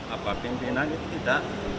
apa pimpinan itu tidak